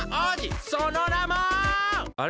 そのなもあれ？